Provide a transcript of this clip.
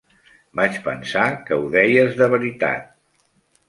"Vaig pensar que ho deies de veritat!